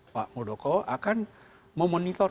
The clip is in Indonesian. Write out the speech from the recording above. pak murdoko akan memonitor